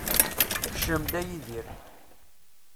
Kcem-d, a Yidir.